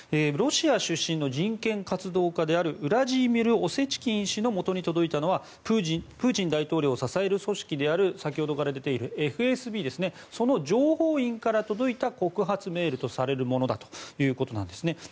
ロシア出身の人権活動家であるウラジミール・オセチキン氏のもとに届いたのはプーチン大統領を支える組織である先ほどから出ているＦＳＢの情報員から届いた告発メールとされるものだということなんですね。